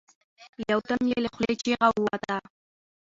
يو دم يې له خولې چيغه ووته.